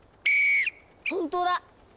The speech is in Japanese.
本当だ。